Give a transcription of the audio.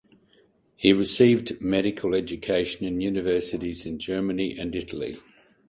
He received medical education in universities in Germany and Italy.